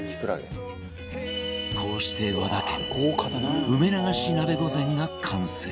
こうして和田家の梅流し鍋御膳が完成